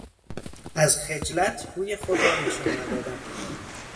از خجلت روی خود را نشان ندادن